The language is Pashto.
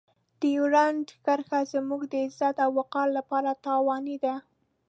ډیورنډ کرښه زموږ د عزت او وقار لپاره تاواني ده.